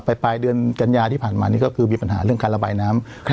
ปลายเดือนกันยาที่ผ่านมานี่ก็คือมีปัญหาเรื่องการระบายน้ำ